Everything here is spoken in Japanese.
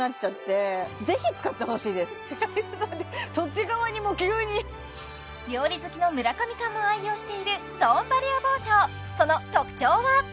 そっち側にもう急に料理好きの村上さんも愛用しているストーンバリア包丁その特徴は？